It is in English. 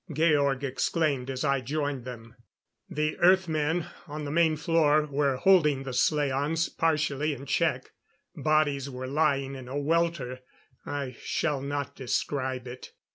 Georg exclaimed as I joined them. The Earth men on the main floor were holding the slaans partially in check. Bodies were lying in a welter I shall not describe it.